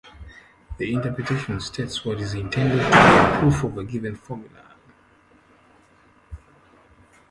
The interpretation states what is intended to be a proof of a given formula.